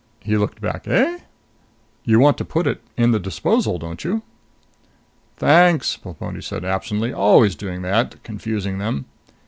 He looked back. "Eh?" "You want to put it in the disposal, don't you?" "Thanks," Plemponi said absently. "Always doing that. Confusing them...."